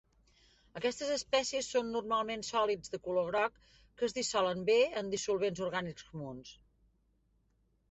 Aquestes espècies són normalment sòlids de color groc, que es dissolen bé en dissolvents orgànics comuns.